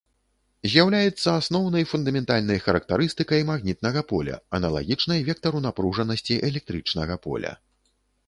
З'яўляецца асноўнай фундаментальнай характарыстыкай магнітнага поля, аналагічнай вектару напружанасці электрычнага поля.